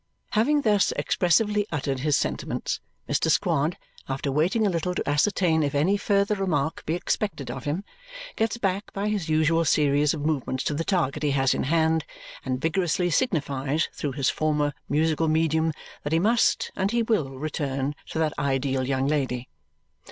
Having thus expressively uttered his sentiments, Mr. Squod, after waiting a little to ascertain if any further remark be expected of him, gets back by his usual series of movements to the target he has in hand and vigorously signifies through his former musical medium that he must and he will return to that ideal young lady.